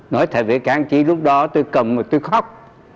nói thật về các anh chị lúc đó tôi cầm rồi tôi khóc